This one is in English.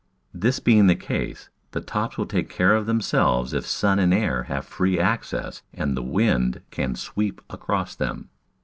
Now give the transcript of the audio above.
This being the case, the tops will take care of themselves if sun and air have free access and the wind can sweep across them.